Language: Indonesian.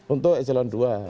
untuk ecelon dua